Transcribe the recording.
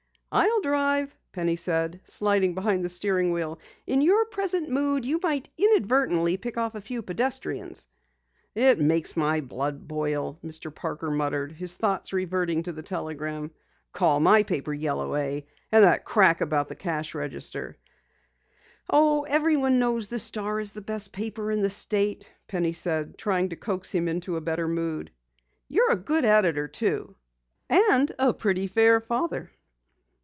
"I'll drive," Penny said, sliding behind the steering wheel. "In your present mood you might inadvertently pick off a few pedestrians!" "It makes my blood boil," Mr. Parker muttered, his thoughts reverting to the telegram. "Call my paper yellow, eh? And that crack about the cash register!" "Oh, everyone knows the Star is the best paper in the state," Penny said, trying to coax him into a better mood. "You're a good editor too, and a pretty fair father."